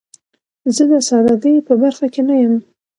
زه د سادګۍ په برخه کې نه یم.